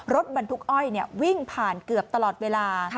รถบรรทุกอ้อยวิ่งผ่านเกือบตลอดเวลา